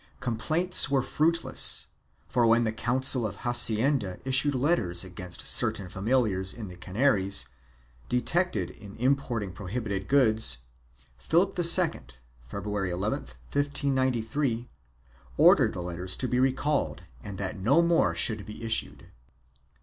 3 Complaints were fruitless, for when the Coun cil of Hacienda issued letters against certain familiars in the Canaries, detected in importing prohibited goods, Philip II, February 11, 1593, ordered the letters to be recalled and that no more should be issued.